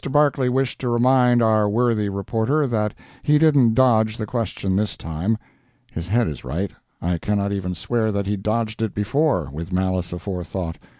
Barclay wished to remind our worthy reporter that he didn't dodge the question this time. [His head is right. I cannot even swear that he dodged it before, with malice aforethought.